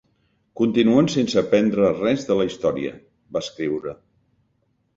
Continuen sense aprendre res de la història, va escriure.